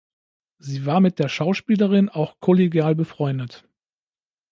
Sie war mit der Schauspielerin auch kollegial befreundet.